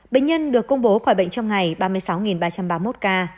bệnh nhân được công bố khỏi bệnh trong ngày ba mươi sáu ba trăm ba mươi một ca